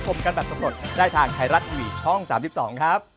สวัสดีครับ